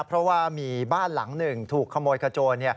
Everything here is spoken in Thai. เพราะว่ามีบ้านหลังหนึ่งถูกขโมยขโจร